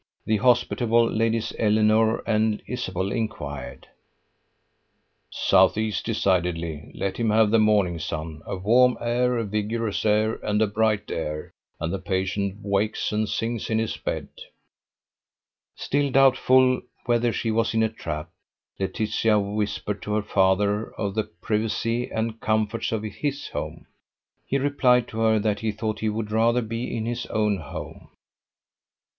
the hospitable ladies Eleanor and Isabel inquired. "Southeast, decidedly: let him have the morning sun: a warm air, a vigorous air, and a bright air, and the patient wakes and sings in his bed." Still doubtful whether she was in a trap, Laetitia whispered to her father of the privacy and comforts of his home. He replied to her that he thought he would rather be in his own home.